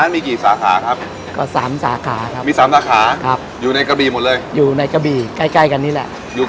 ทำไมถึงเปิดใกล้กันล่ะ